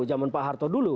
zaman pak harto dulu